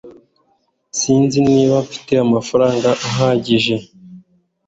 sinzi niba mfite amafaranga ahagije